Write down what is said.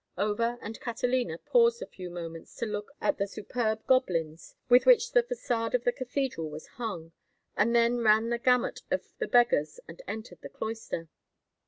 Over and Catalina paused a few moments to look at the superb gobelins with which the façade of the cathedral was hung, and then ran the gamut of the beggars and entered the cloister.